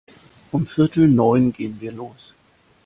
Um viertel neun gehn wir los.